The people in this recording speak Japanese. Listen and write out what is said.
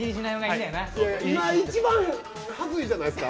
一番はずいじゃないですか。